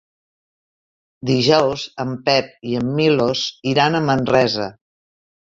Dijous en Pep i en Milos iran a Manresa.